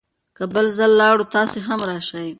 که بل ځل لاړو، تاسې هم راشئ.